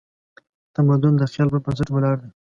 تمدن د خیال پر بنسټ ولاړ دی.